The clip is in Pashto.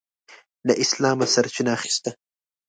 له اسلامه سرچینه اخیسته.